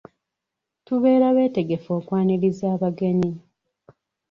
Tubeera betegefu okwaniriza abagenyi.